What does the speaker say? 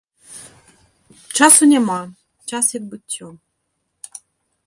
Часу няма, час як быццё.